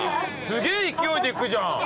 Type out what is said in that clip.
すげぇ勢いで行くじゃん。